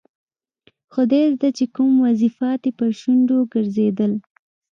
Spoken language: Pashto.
خدایزده چې کوم وظیفات یې پر شونډو ګرځېدل.